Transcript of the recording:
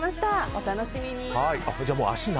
お楽しみに。